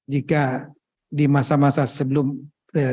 jika di masa masa sekarang kita bisa melakukan hal yang lebih baik